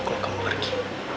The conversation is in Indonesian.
kalau kamu pergi